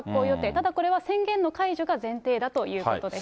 ただこれは、宣言の解除が前提だということです。